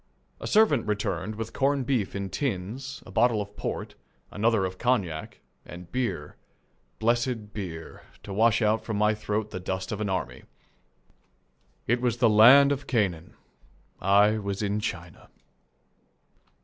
A servant returned with corn beef in tins, a bottle of port, another of cognac, and beer, blessed beer, to wash out from my throat the dust of an army. It was the land of Canaan. I was in China.